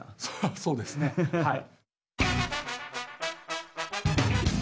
そうですねはい。